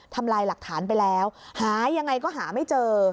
ทำลายหลักฐานไปแล้วหายังไงก็หาไม่เจอ